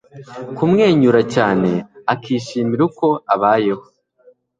Kumwenyura cyane akishimira uko abayeho